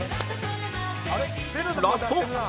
ラスト